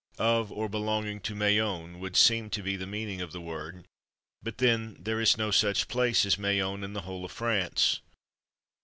"Of or belonging to Mayonne" would seem to be the meaning of the word; but then there is no such place as Mayonne in the whole of France.